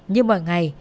như mỗi ngày